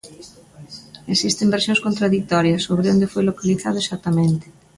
Existen versións contraditorias sobre onde foi localizado exactamente.